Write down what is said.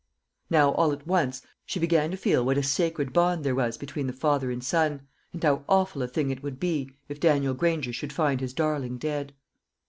Now all at once she began to feel what a sacred bond there was between the father and son, and how awful a thing it would be, if Daniel Granger should find his darling dead.